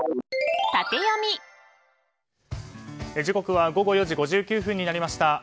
時刻は午後４時５９分になりました。